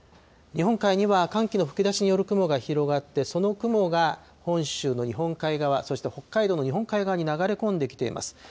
日本海には寒気の吹き出しによる雲が広がって、その雲が本州の日本海側、そして北海道の日本海側に流れ込んできています。